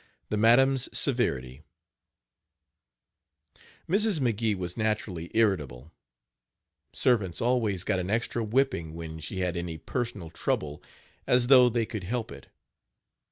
THE MADAM'S SEVERITY. Mrs. McGee was naturally irritable. Servants always got an extra whipping when she had any personal trouble, as though they could help it.